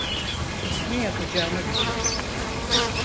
Ne yapacağımı biliyorum.